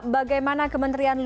bagaimana kementerian luar negeri